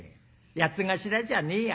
八頭じゃねえや」。